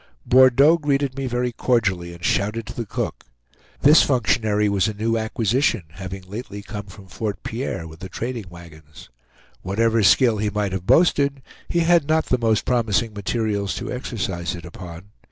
Bordeaux greeted me very cordially, and shouted to the cook. This functionary was a new acquisition, having lately come from Fort Pierre with the trading wagons. Whatever skill he might have boasted, he had not the most promising materials to exercise it upon.